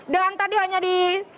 dan tadi hanya di